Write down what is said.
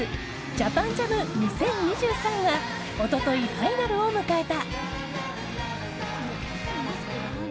ＪＡＰＡＮＪＡＭ２０２３が一昨日、ファイナルを迎えた。